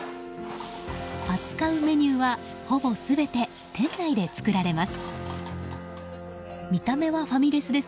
扱うメニューはほぼ全て店内で作られます。